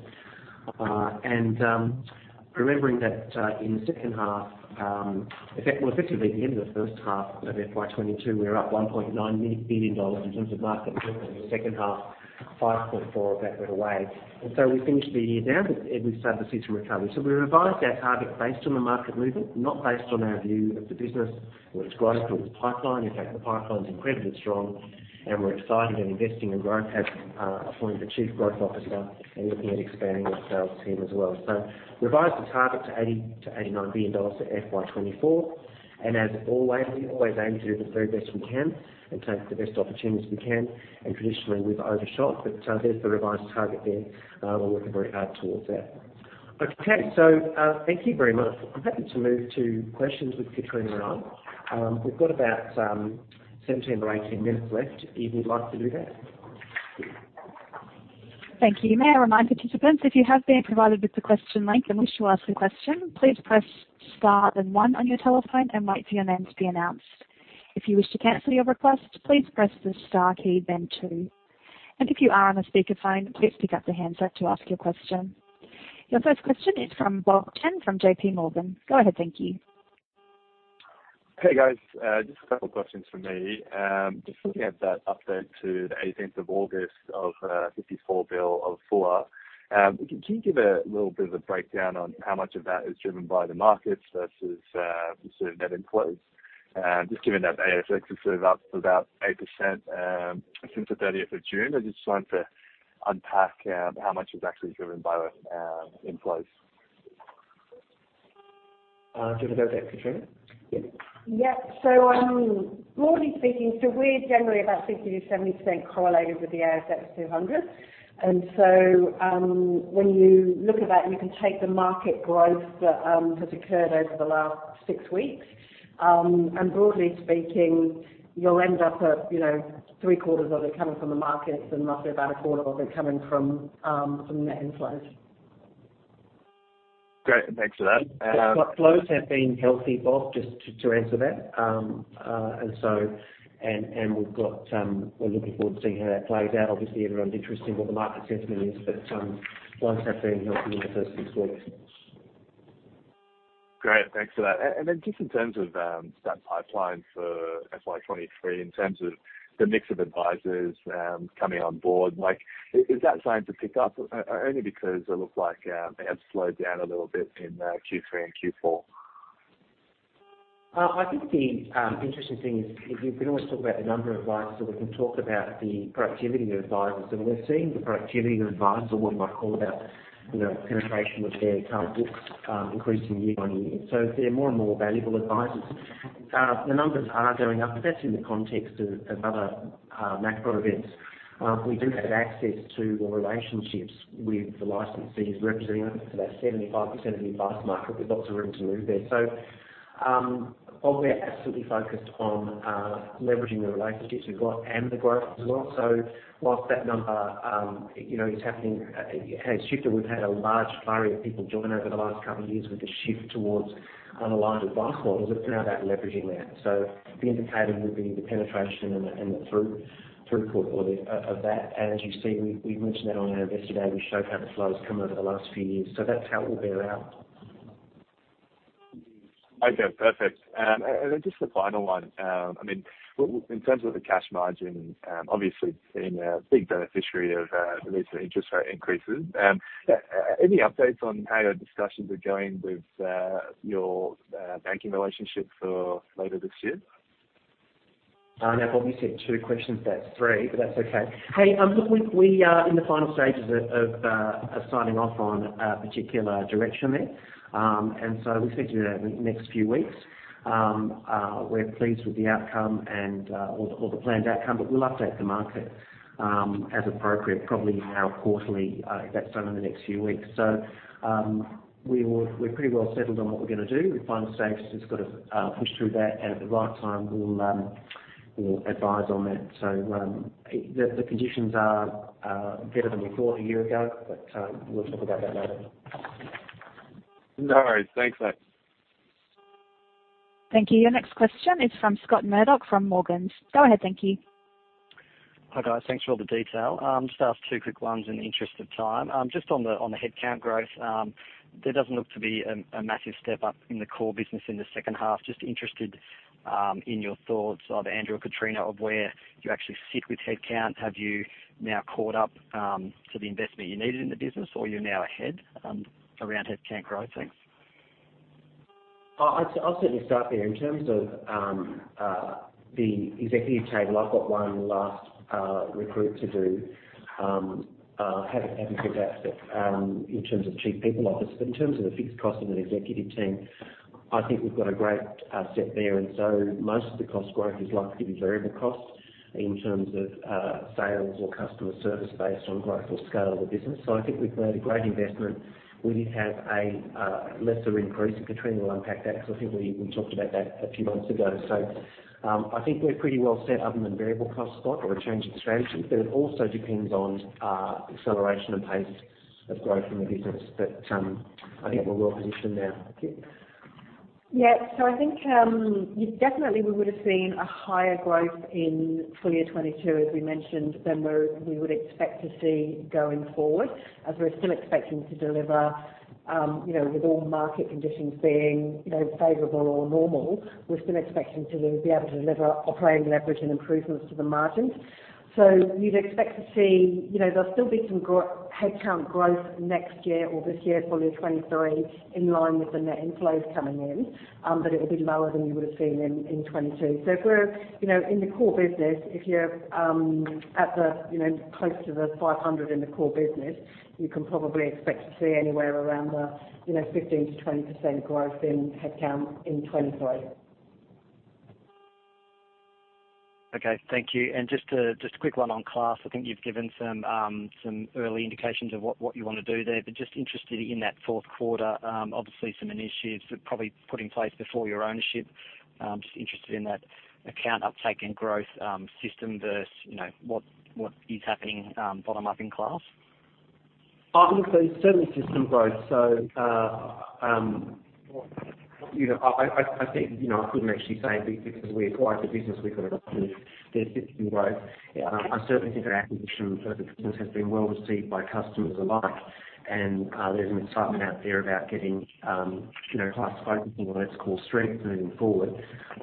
Remembering that, in the second half, effectively at the end of the first half of FY 2022, we were up 1.9 billion dollars in terms of market cap. In the second half, 5.4 billion of that went away. We finished the year down, but we've started to see some recovery. We revised our target based on the market movement, not based on our view of the business, which is growing through its pipeline. In fact, the pipeline's incredibly strong and we're excited and investing in growth, have appointed a chief growth officer and looking at expanding our sales team as well. Revised the target to 80 billion-89 billion dollars for FY 2024. As always, we always aim to do the very best we can and take the best opportunities we can. Traditionally we've overshot, but there's the revised target there. We're working very hard towards that. Okay. Thank you very much. I'm happy to move to questions with Kitrina now. We've got about 17 or 18 minutes left, if you'd like to do that. Thank you. May I remind participants if you have been provided with the question link and wish to ask a question, please press star then one on your telephone and wait for your name to be announced. If you wish to cancel your request, please press the star key then two. If you are on a speakerphone, please pick up the handset to ask your question. Your first question is from Bob Chen from JPMorgan. Go ahead. Thank you. Hey, guys. Just a couple questions from me. Just looking at that update to August 18th of 54 billion of FUA. Can you give a little bit of a breakdown on how much of that is driven by the markets versus sort of net inflows? Just given that the ASX is sort of up about 8% since June 30th. I'd just like to unpack how much is actually driven by inflows. Do you want to go with that, Kitrina? Yeah. Broadly speaking, we're generally about 60%-70% correlated with the ASX 200. When you look at that and you can take the market growth that has occurred over the last six weeks, and broadly speaking, you'll end up at, you know, three-quarters of it coming from the markets and roughly about a quarter of it coming from the net inflows. Great. Thanks for that. Flows have been healthy, Bob, just to answer that. We're looking forward to seeing how that plays out. Obviously, everyone's interested in what the market sentiment is, but flows have been healthy in the first six weeks. Great. Thanks for that. Just in terms of that pipeline for FY 2023, in terms of the mix of advisors coming on board, like is that starting to pick up? Only because it looked like it had slowed down a little bit in Q3 and Q4. I think the interesting thing is you can always talk about the number of advisors, or we can talk about the productivity of advisors, and we're seeing the productivity of advisors or what you might call about, you know, penetration of their current books increasing year on year. So they're more and more valuable advisors. The numbers are going up, but that's in the context of other macro events. We do have access to the relationships with the licensees representing up to about 75% of the advice market, with lots of room to move there. While we're absolutely focused on leveraging the relationships we've got and the growth as well. Whilst that number, you know, is happening, it has shifted. We've had a large flurry of people join over the last couple of years with the shift towards online advice models. It's now about leveraging that. The indicator would be the penetration and the throughput of that. As you've seen, we mentioned that on our investor day. We showed how the flows come over the last few years. That's how it will bear out. Okay, perfect. Just the final one. I mean, in terms of the cash margin, obviously it's been a big beneficiary of recent interest rate increases. Any updates on how your discussions are going with your banking relationship for later this year? Now Bob you said two questions, that's three, but that's okay. We are in the final stages of signing off on a particular direction there. We expect to do that in the next few weeks. We're pleased with the outcome and or the planned outcome, but we'll update the market as appropriate, probably in our quarterly if that's done in the next few weeks. We're pretty well settled on what we're gonna do. We're final stages, just got to push through that, and at the right time, we'll advise on that. The conditions are better than we thought a year ago, but we'll talk about that later. No worries. Thanks, mate. Thank you. Your next question is from Scott Murdoch from Morgans. Go ahead, thank you. Hi, guys. Thanks for all the detail. Just ask two quick ones in the interest of time. Just on the headcount growth, there doesn't look to be a massive step up in the core business in the second half. Just interested in your thoughts, either Andrew or Kitrina, of where you actually sit with headcount. Have you now caught up to the investment you needed in the business, or you're now ahead around headcount growth? Thanks. I'll certainly start there. In terms of the executive team, I've got one last recruit to do. Haven't filled yet in terms of Chief People Officer, but in terms of the fixed cost of an executive team, I think we've got a great set there. Most of the cost growth is likely to be variable costs in terms of sales or customer service based on growth or scale of the business. I think we've made a great investment. We did have a lesser increase, and Kitrina will unpack that because I think we talked about that a few months ago. I think we're pretty well set other than variable costs, Scott, or a change in strategy. It also depends on acceleration and pace of growth in the business. I think we're well positioned there. Kitrina. Yeah. I think definitely we would have seen a higher growth in full year 2022, as we mentioned, than we would expect to see going forward, as we're still expecting to deliver, you know, with all market conditions being, you know, favorable or normal, we're still expecting to be able to deliver operating leverage and improvements to the margins. You'd expect to see, you know, there'll still be some headcount growth next year or this year, full year 2023, in line with the net inflows coming in, but it will be lower than you would have seen in 2022. If we're, you know, in the core business, if you're at the, you know, close to the 500 in the core business, you can probably expect to see anywhere around the, you know, 15%-20% growth in headcount in 2023. Okay. Thank you. Just a quick one on Class. I think you've given some early indications of what you want to do there, but just interested in that fourth quarter, obviously some initiatives that probably put in place before your ownership. Just interested in that account uptake and growth, system versus, you know, what is happening, bottom up in Class. Look, there's certainly system growth. You know, I think, you know, I couldn't actually say because we acquired the business, we got it up, and there's system growth. I certainly think an acquisition of the business has been well received by customers alike, and there's an excitement out there about getting, you know, Class focusing on its core strength moving forward.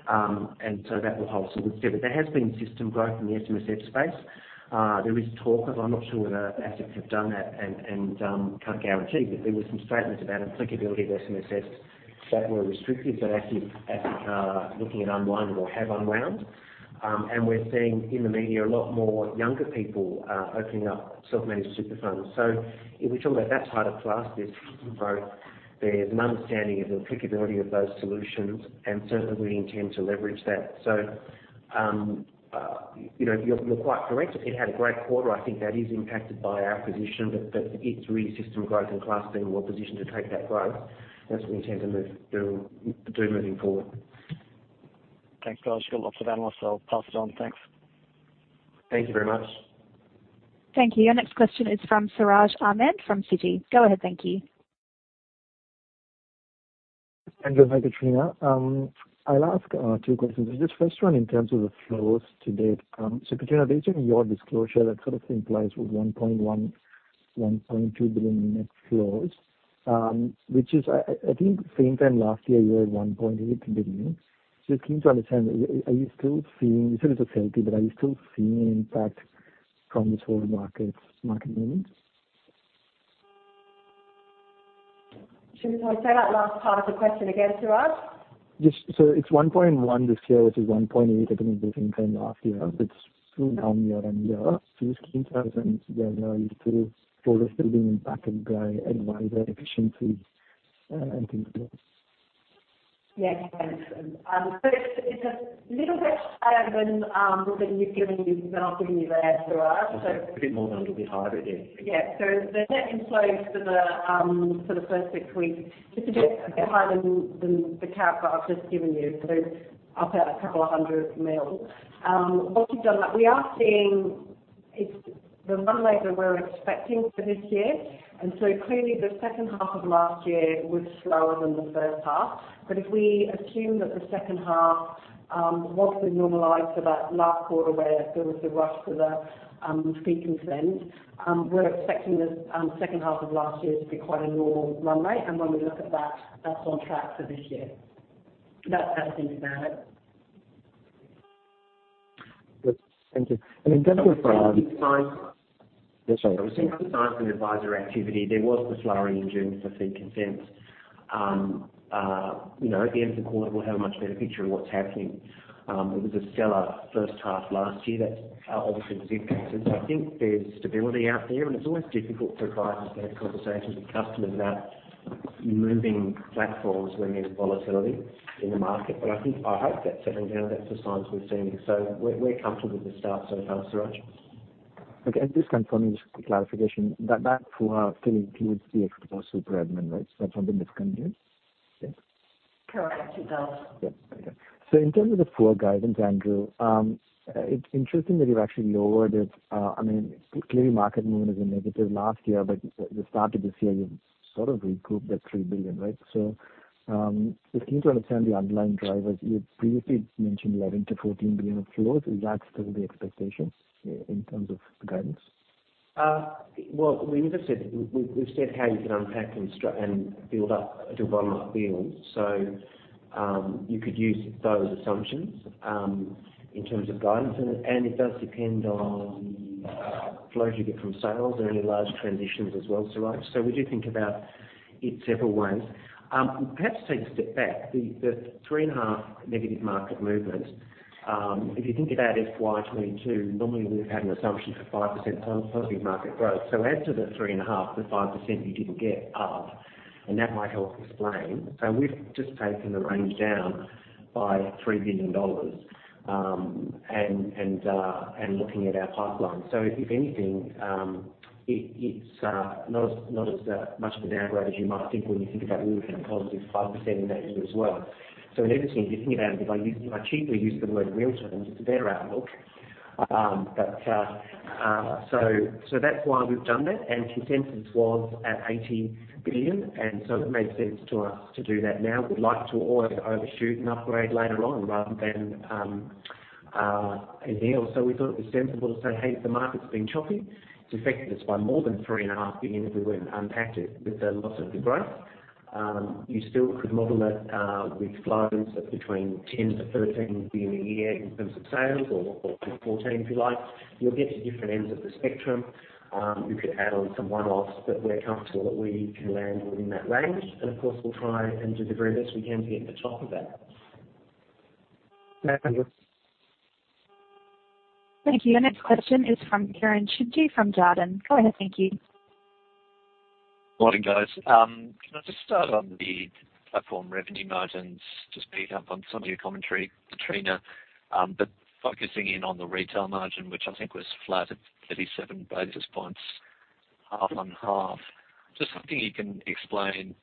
That will hold some stability. There has been system growth in the SMSF space. There is talk of, I'm not sure whether assets have done that and, can't guarantee, but there were some statements about applicability of SMSFs that were restrictive, but actually, as looking at unwinding or have unwound. We're seeing in the media a lot more younger people opening up self-managed super funds. If we talk about that side of Class, there's growth, there's an understanding of the applicability of those solutions, and certainly we intend to leverage that. You know, you're quite correct. It had a great quarter. I think that is impacted by acquisition, but it's really system growth and Class being well positioned to take that growth. That's what we intend to do moving forward. Thanks, guys. Got lots of analysts, so I'll pass it on. Thanks. Thank you very much. Thank you. Your next question is from Siraj Ahmed from Citi. Go ahead, thank you. Andrew, hi Kitrina. I'll ask two questions. Just first one in terms of the flows to date. So Kitrina, based on your disclosure, that sort of implies 1.1-1.2 billion in net flows, which is, I think same time last year, you were at 1.8 billion. Just looking to understand, are you still seeing? You said it's seasonality, but are you still seeing impact from this whole market movement? Should we, sorry, say that last part of the question again, Siraj? Yes. It's 1.1% this year versus 1.8%, I think it was, in turn last year. It's still down year-on-year. Just keen to understand whether you feel the flow is building impacted by advisor efficiencies, and things like that. Yes. It's a little bit higher than what we've given you. I'll give you that, Siraj. A bit more than a little bit higher, but yeah. Yeah. The net inflows for the first six weeks is a bit higher than the count that I've just given you. Up around a couple of hundred mil. Once you've done that, we are seeing it's the run rate that we're expecting for this year. Clearly the second half of last year was slower than the first half. If we assume that the second half, once we normalize for that last quarter where there was the rush for the fee consent, we're expecting the second half of last year to be quite a normal run rate. When we look at that's on track for this year. That's the thing about it. Good. Thank you. In terms of, Yes, sorry. From a fee perspective and advisor activity, there was the slowing in June for fee consents. You know, at the end of the call, we'll have a much better picture of what's happening. It was a stellar first half last year that obviously was impacted. I think there's stability out there, and it's always difficult for advisors to have conversations with customers about moving platforms when there's volatility in the market. I think, I hope that's settling down. That's the signs we're seeing. We're comfortable with the start so far, Siraj. Okay. Just confirming, clarification, that flow still includes the Xplore super admin, right? That's something that's come in? Yeah. Correct. It does. In terms of the full guidance, Andrew, it's interesting that you've actually lowered it. Clearly market movement is a negative last year, but the start of this year, you've sort of recouped that 3 billion, right? Just keen to understand the underlying drivers. You'd previously mentioned 11 billion-14 billion of flows. Is that still the expectation in terms of the guidance? Well, we've just said how you can unpack and build up to bottom up build. You could use those assumptions in terms of guidance. It does depend on the flows you get from sales or any large transitions as well, Siraj. We do think about it several ways. Perhaps take a step back. The 3.5 negative market movement, if you think about FY 2022, normally we've had an assumption for 5% positive market growth. Add to the 3.5, the 5% you didn't get of, and that might help explain. We've just taken the range down by 3 billion dollars and looking at our pipeline. If anything, it's not as much of a downgrade as you might think when you think about we were getting a positive 5% in that year as well. In everything, if you think about it, if I use the word real terms, then it's a better outlook. That's why we've done that. Consensus was at 80 billion, and so it made sense to us to do that now. We'd like to overshoot and upgrade later on rather than anything else. We thought it was sensible to say, "Hey, the market's been choppy." It's affected us by more than 3.5 billion if we were to unpack it with the loss of the growth. You still could model it with flows of between 10 billion-13 billion a year in terms of sales or 14 billion if you like. You'll get to different ends of the spectrum. You could add on some one-offs, but we're comfortable that we can land within that range. Of course, we'll try and do the very best we can to get the top of that. Yeah. Thank you. Thank you. The next question is from Kieren Chidgey from Jarden. Go ahead. Thank you. Morning, guys. Can I just start on the platform revenue margins, just pick up on some of your commentary, Kitrina, but focusing in on the retail margin, which I think was flat at 37 basis points half on half. Just wondering if you can explain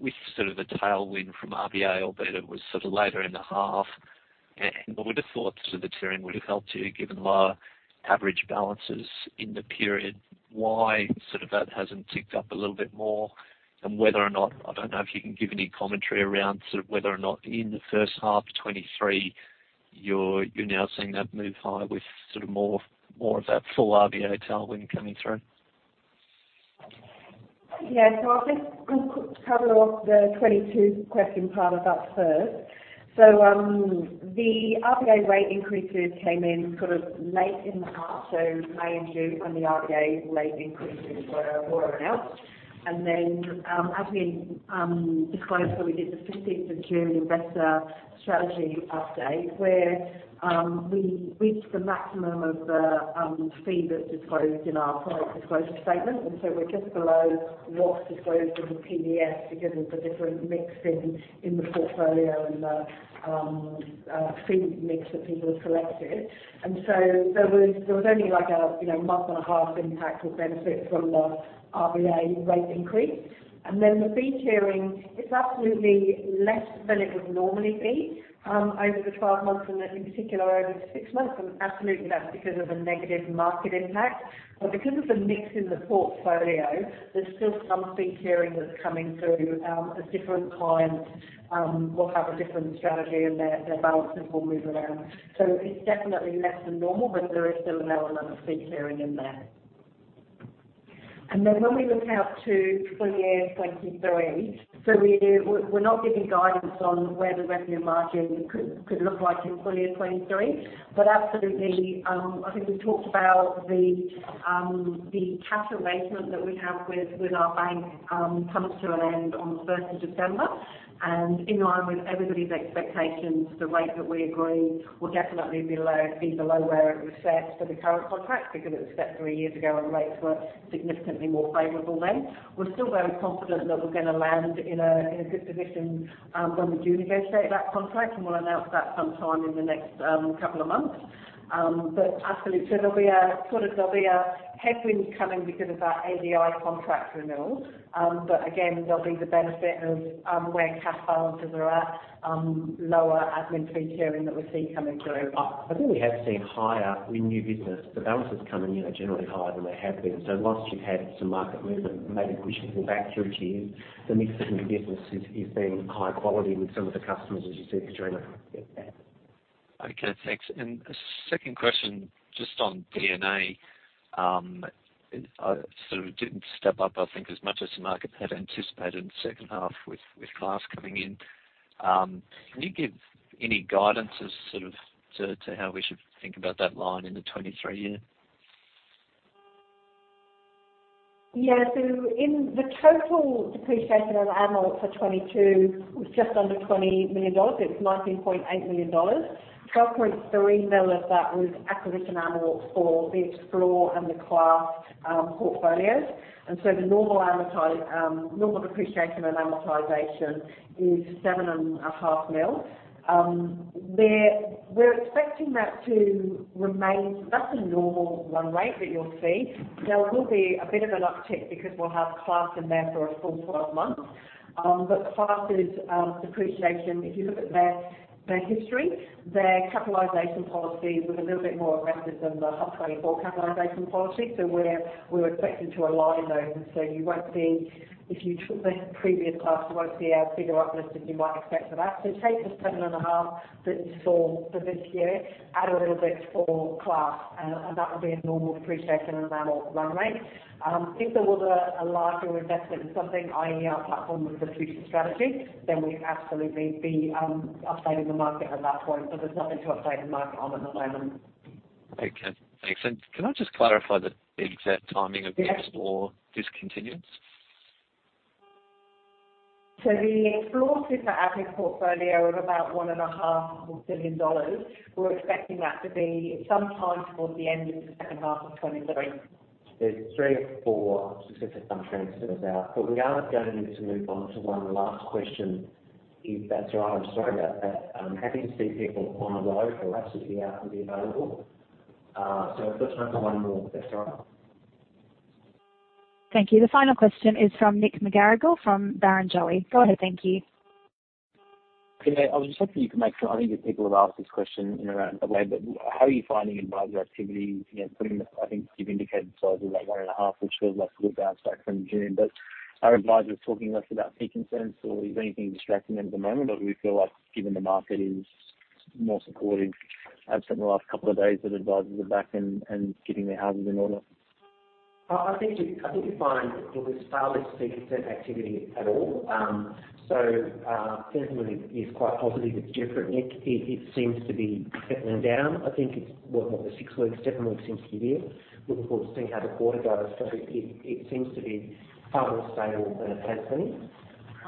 with sort of a tailwind from RBA, albeit it was sort of later in the half, and would have thought sort of the tiering would have helped you given lower average balances in the period. Why sort of that hasn't ticked up a little bit more and whether or not, I don't know if you can give any commentary around sort of whether or not in the first half of 2023 you're now seeing that move higher with sort of more of that full RBA tailwind coming through. Yeah. I'll just quick cover off the 22 question part of that first. The RBA rate increases came in sort of late in the half, so May and June when the RBA rate increases were announced. As we disclosed when we did the June 15th investor strategy update, where we reached the maximum of the fee that's disclosed in our product disclosure statement. We're just below what's disclosed in the PDS because of the different mix in the portfolio and the fee mix that people have selected. There was only like a, you know, month and a half impact or benefit from the RBA rate increase. Then the fee tiering, it's absolutely less than it would normally be over the 12 months, and in particular over the six months. Absolutely that's because of the negative market impact. Because of the mix in the portfolio, there's still some fee tiering that's coming through, as different clients will have a different strategy and their balances will move around. It's definitely less than normal, but there is still an element of fee tiering in there. Then when we look out to full year 2023, so we're not giving guidance on where the revenue margin could look like in full year 2023. Absolutely, I think we talked about the capital management that we have with our bank comes to an end on December 1st and in line with everybody's expectations, the rate that we agree will definitely be below where it was set for the current contract because it was set three years ago, and rates were significantly more favorable then. We're still very confident that we're gonna land in a good position when we do negotiate that contract, and we'll announce that sometime in the next couple of months. Absolutely. There'll be a headwind coming because of our ADI contract renewal. Again, there'll be the benefit of where cash balances are at, lower admin fee tiering that we see coming through. I think we have seen higher in new business. The balance is coming, you know, generally higher than they have been. Whilst you've had some market movement maybe pushing people back through a tier, the mix of new business is being high quality with some of the customers, as you said, Kitrina. Okay. Thanks. A second question, just on D&A. It sort of didn't step up, I think, as much as the market had anticipated in the second half with Class coming in. Can you give any guidance as to how we should think about that line in 2023? Yeah. In the total depreciation and amortization for 2022 was just under 20 million dollars. It's 19.8 million dollars. 12.3 million of that was acquisition amortization for the Xplore and the Class portfolios. The normal depreciation and amortization is 7.5 million. There, we're expecting that to remain. That's a normal run rate that you'll see. There will be a bit of an uptick because we'll have Class in there for a full 12 months. Class's depreciation, if you look at their history, their capitalization policy was a little bit more aggressive than the HUB24 capitalization policy. We're expecting to align those. You won't see if you took the previous Class, you won't see our figure uplifted, you might expect for that. Take the 7.5 that you saw for this year, add a little bit for Class, and that will be a normal depreciation and amort run rate. If there was a larger investment in something, i.e. our platform with the future strategy, then we'd absolutely be updating the market at that point. There's nothing to update the market on at the moment. Okay, thanks. Can I just clarify the exact timing? Yeah. Of the Xplore discontinuance? The Xplore sit in our asset portfolio of about 1.5 billion dollars. We're expecting that to be sometime towards the end of the second half of 2023. There's three or four questions outstanding, but we are going to move on to one last question if that's all right. I'm sorry about that. I'm happy to see people on the road who are absolutely going to be available. Let's go for one more if that's all right. Thank you. The final question is from Nick McGarrigle from Barrenjoey. Go ahead. Thank you. Yeah. I was just hoping you could make some. I think people have asked this question in a way, but how are you finding advisor activity? You know, I think you've indicated size of, like, 1.5, which feels like a good bounce back from June. Are advisors talking less about fee consents, or is anything distracting them at the moment? Do we feel like given the market is more supportive, absent the last couple of days, that advisors are back and getting their houses in order? I think you find there was fairly significant activity at all. Sentiment is quite positive. It's different, Nick. It seems to be settling down. I think it's what, the six weeks, seven weeks since you've been here. Looking forward to seeing how the quarter goes. It seems to be far more stable than it has been.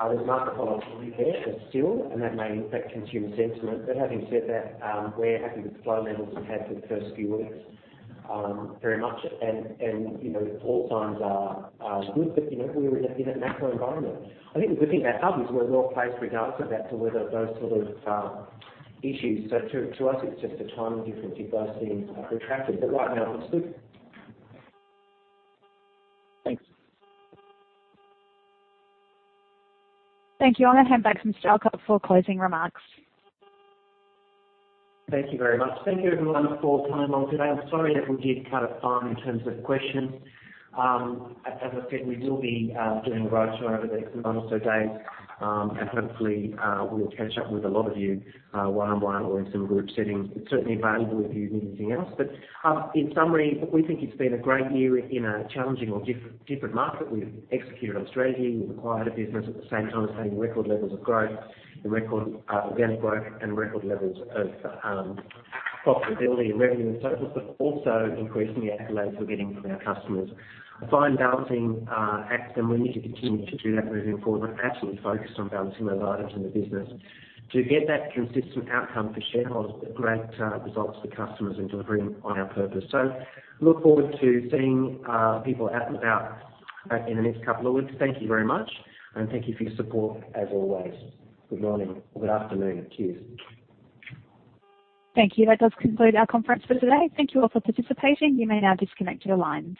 There's market volatility there still, and that may affect consumer sentiment. Having said that, we're happy with the flow levels we've had for the first few weeks, very much. You know, all signs are good. You know, we're in a macro environment. I think the good thing about Hub is we're well placed regardless of that to weather those sort of issues. To us, it's just a timing difference. You've both seen retracted, but right now it looks good. Thanks. Thank you. I'm gonna hand back to Mr. Alcock for closing remarks. Thank you very much. Thank you, everyone, for your time today. I'm sorry that we did cut it fine in terms of questions. As I said, we will be doing a roadshow over the next one or two days. Hopefully, we'll catch up with a lot of you one-on-one or in some group settings. It's certainly available if you need anything else. In summary, we think it's been a great year in a challenging or different market. We've executed on strategy. We've acquired a business at the same time as having record levels of growth and record organic growth and record levels of profitability and revenue and so forth, but also increasing the accolades we're getting from our customers. A fine balancing act, and we need to continue to do that moving forward. We're absolutely focused on balancing those items in the business to get that consistent outcome for shareholders, but great results for customers and delivering on our purpose. Look forward to seeing people out and about in the next couple of weeks. Thank you very much, and thank you for your support as always. Good morning. Good afternoon. Cheers. Thank you. That does conclude our conference for today. Thank you all for participating. You may now disconnect your lines.